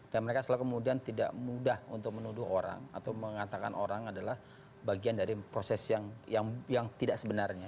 dan mereka selalu kemudian tidak mudah untuk menuduh orang atau mengatakan orang adalah bagian dari proses yang tidak sebenarnya